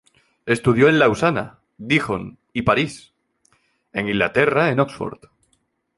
Estudió en Lausana, Dijon y París; en Inglaterra en Oxford.